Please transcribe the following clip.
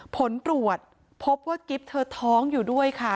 ผลตรวจภพว่าเกิ๊ฟท้องอยู่ด้วยค่ะ